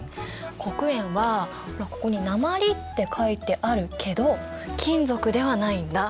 黒鉛はほらここに「鉛」って書いてあるけど金属ではないんだ。